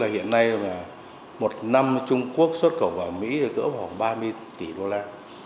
hiện nay một năm trung quốc xuất khẩu vào mỹ gỡ khoảng ba mươi tỷ đô la